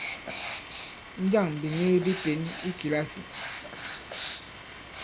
Njâŋ bìnigi bi pěn i kìlasì ?